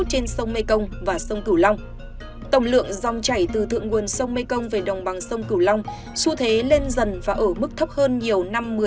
tổng lượng dòng chảy từ thượng nguồn sông mekong về đồng bằng sông cửu long su thế lên dần và ở mức thấp hơn nhiều năm mươi một mươi năm